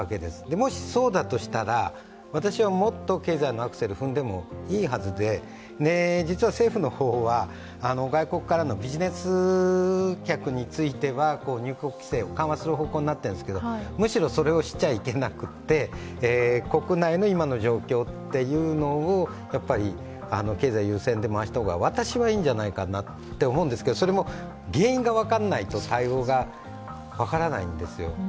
もしそうだとしたら、私はもっと経済のアクセルを踏んでいいはずで実は政府の方は外国からのビジネス客については入国規制を緩和する方向になっているんですけれどもむしろ、それをしちゃいけなくて国内の今の状況を経済優先で回した方が私はいいんじゃないかなと思うんですけれども、それも、原因が分からないと対応が分からないんですよ。